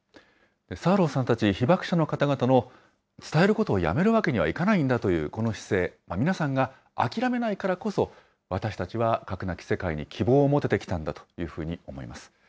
サーローさんたち被爆者の方々の伝えることをやめるわけにはいかないんだというこの姿勢、皆さんが諦めないからこそ、私たちは核なき世界に希望を持ててきたんだというふうに思います。